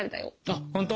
あっ本当？